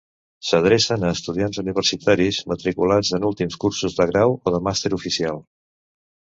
S'adrecen a estudiants universitaris matriculats en últims cursos de grau o de màster oficial.